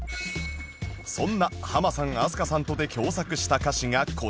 そんなハマさん飛鳥さんとで共作した歌詞がこちら